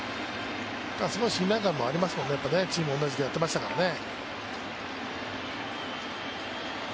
すごい信頼感もありますもんね、チーム同じでやっていましたからね。